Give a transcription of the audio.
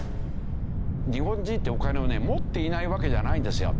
日本人ってお金をね持っていないわけじゃないんですよ。